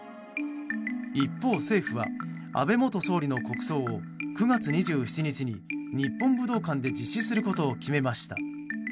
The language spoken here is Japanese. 一方、政府は安倍元総理の国葬を９月２７日に日本武道館で実施することを決めました。